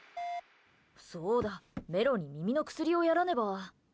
そうだ、メロに耳の薬をやらねば。